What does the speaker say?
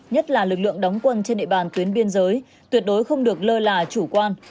nhất là lực lượng đóng quân trên địa bàn tuyến biên giới tuyệt đối không được lơ là chủ quan